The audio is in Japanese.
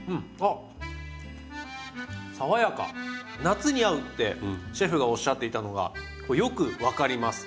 夏に合うってシェフがおっしゃっていたのがよく分かります。